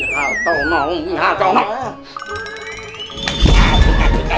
apa pengarangnya siapa